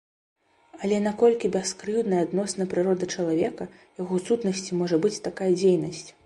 Але наколькі бяскрыўднай адносна прыроды чалавека, яго сутнасці можа быць такая дзейнасць?